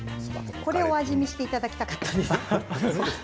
これを、お味見していただきたかった。